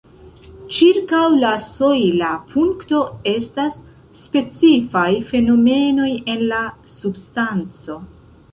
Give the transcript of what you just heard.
Ĉirkaŭ la sojla punkto estas specifaj fenomenoj en la substanco.